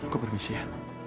aku permisi ya